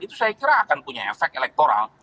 itu saya kira akan punya efek elektoral